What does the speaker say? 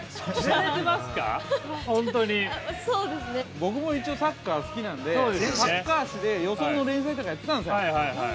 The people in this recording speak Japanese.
◆僕も一応サッカー好きなんでサッカー誌で予想の連載とかやってたんですよ。